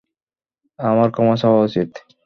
আমার ক্ষমা চাওয়া উচিৎ।